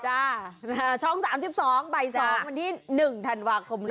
ช่อง๓๒บ่าย๒วันที่๑ธันวาคม